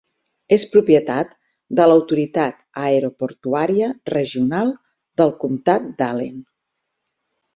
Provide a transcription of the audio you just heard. És propietat de l'Autoritat Aeroportuària Regional del Comtat d'Allen.